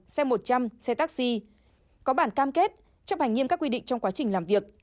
xe một trăm linh xe taxi có bản cam kết chấp hành nghiêm các quy định trong quá trình làm việc